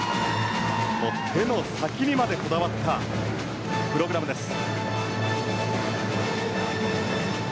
手の先にまでこだわったプログラムです。